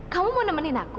kamu mau nemenin aku